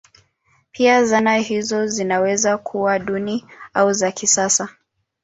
Pia zana hizo zinaweza kuwa duni au za kisasa.